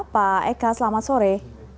pak eka selamat sore